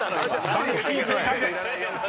［「バンクシー」正解です］